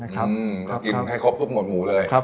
กินให้ครบพวกหมดหมูเลย